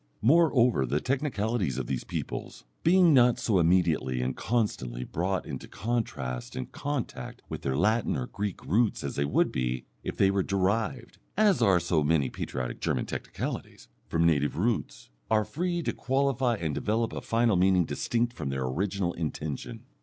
Moreover, the technicalities of these peoples, being not so immediately and constantly brought into contrast and contact with their Latin or Greek roots as they would be if they were derived (as are so many "patriotic" German technicalities) from native roots, are free to qualify and develop a final meaning distinct from their original intention.